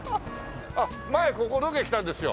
あっ前ここロケ来たんですよ。